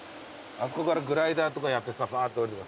あそこからグライダーとかやってさぶわっと下りて。